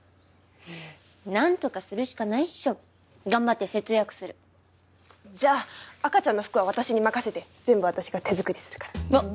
何とかするしかないっしょ頑張って節約するじゃあ赤ちゃんの服は私に任せて全部私が手作りするからおっ